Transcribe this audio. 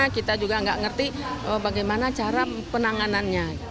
kita juga tidak mengerti bagaimana cara penanganannya